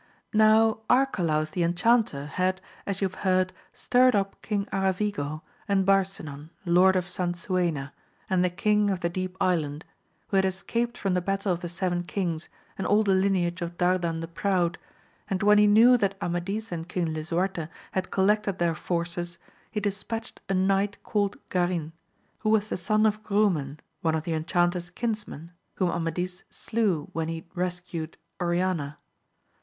OW Arcalaus the Enchanter, had, as you have heard, stirred up King Aravigo, and Barsi nan. Lord of Sansuena, and the King of the Deep Island, who had escaped from the battle of the seven kings, and all the lineage of Dardan the Proudy and when he knew that Amadis and King lisuarte had collected their forces, he dispatched a knight called Garin, who was the son of Grumen one of the enchanter's kinsmen, whom Amadis slew when he rescued Oriana.